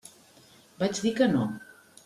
Vaig dir que no.